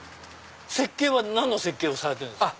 設計は何の設計をされてるんですか？